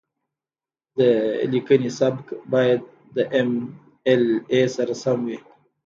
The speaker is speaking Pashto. د لیکنې سبک باید د ایم ایل اې سره سم وي.